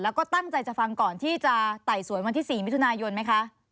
แล้วก็ตั้งใจจะฟังก่อนที่จะไต่สวนวันที่๔มิถุนายนไหมคะ